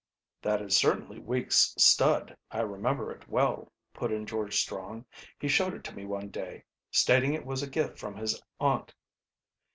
"That is certainly Weeks' stud; I remember it well," put in George Strong. "He showed it to me one day, stating it was a gift from his aunt."